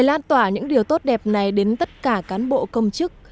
để phát tỏa những điều tốt đẹp này đến tất cả cán bộ công chức